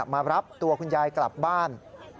มารับตัวคุณยายกลับบ้าน